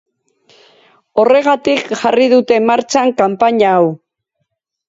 Horregatik jarri dute martxan kanpaina hau.